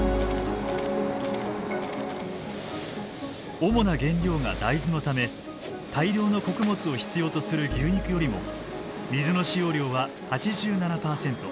主な原料が大豆のため大量の穀物を必要とする牛肉よりも水の使用量は８７％